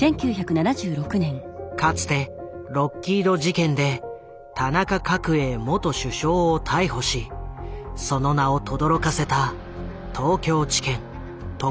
かつてロッキード事件で田中角栄元首相を逮捕しその名をとどろかせた東京地検特捜部。